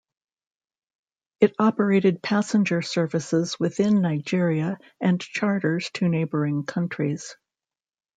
It operated passenger services within Nigeria and charters to neighbouring countries.